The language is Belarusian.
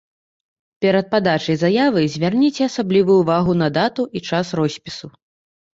Перад падачай заявы звярніце асаблівую ўвагу на дату і час роспісу.